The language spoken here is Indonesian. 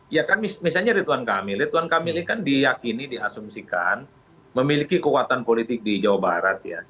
ya kan misalnya ridwan kamil rituan kamil ini kan diyakini diasumsikan memiliki kekuatan politik di jawa barat ya